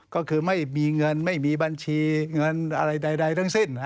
ก็คือไม่มีเงินไม่มีบัญชีเงินอะไรใดทั้งสิ้น